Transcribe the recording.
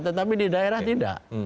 tetapi di daerah tidak